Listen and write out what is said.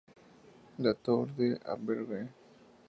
La Tour-d'Auvergne